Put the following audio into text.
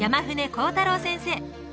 晃太郎先生